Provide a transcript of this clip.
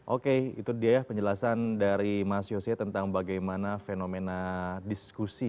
oke itu dia ya penjelasan dari mas yose tentang bagaimana fenomena diskusi